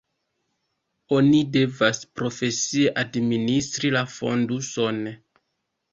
Oni devas profesie administri la fonduson.